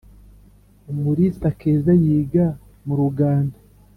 - umurisa keza yiga mu rugando